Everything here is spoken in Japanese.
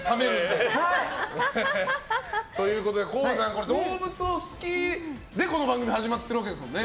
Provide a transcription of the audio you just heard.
ＫＯＯさん、動物が好きでこの番組始まってるわけですもんね。